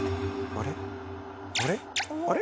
あれ？